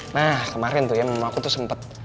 nah kemarin tuh ya memang aku tuh sempet